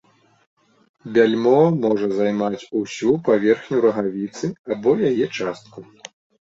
Бяльмо можа займаць усю паверхню рагавіцы або яе частку.